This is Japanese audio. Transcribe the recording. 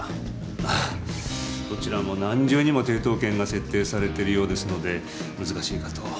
はぁどちらも何重にも抵当権が設定されてるようですので難しいかと。